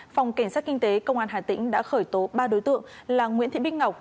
phòng cảnh sát kinh tế công an hà tĩnh đã khởi tố ba đối tượng là nguyễn thị bích ngọc